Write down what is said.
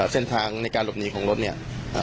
เส้นทางในการหลบหนีของรถเนี่ย